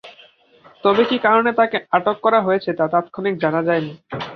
তবে কী কারণে তাঁকে আটক করা হয়েছে, তা তাৎক্ষণিক জানা যায়নি।